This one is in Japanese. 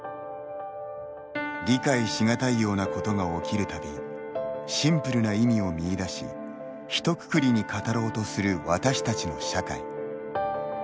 理解しがたいようなことが起きるたびシンプルな意味を見いだしひとくくりに語ろうとする私たちの社会。